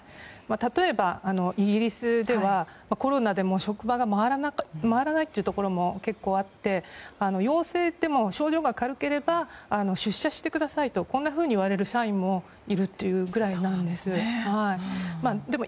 例えばイギリスではコロナで職場が回らないというところも結構あって陽性でも症状が軽ければ出社してくださいとこんなふうに言われる社員もいるというくらいなんです。